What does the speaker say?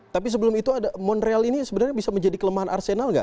tapi sebelum itu ada montreal ini sebenarnya bisa menjadi kelemahan arsenal nggak